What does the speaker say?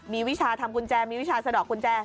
มีวิชาทำกุญแจมีวิชาสะดอกกุญแจ